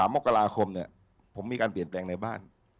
มกราคมผมมีการเปลี่ยนแปลงในบ้าน